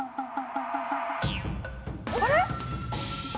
あれ！？